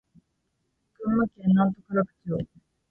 群馬県邑楽町